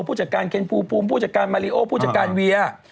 ผู้จักรเคนพูมผู้จักรมาริโอผู้จักรเวีย